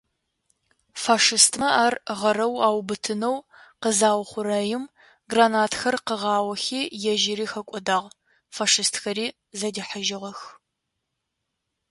Фашистмэ ар гъэрэу аубытынэу къызаухъурэим, гранатхэр къыгъаохи ежьыри хэкӏодагъ, фашистхэри зыдихьыжьыгъэх.